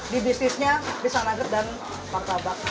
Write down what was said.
di bisnisnya bisa naged dan partabak